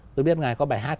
tôi biết ngài có bài hát